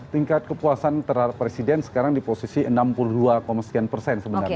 tingkat kepuasan terhadap presiden sekarang di posisi enam puluh dua sekian persen sebenarnya